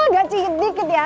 gak cikit dikit ya